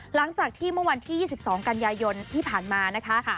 หลังจากที่เมื่อวันที่๒๒กันยายนที่ผ่านมานะคะ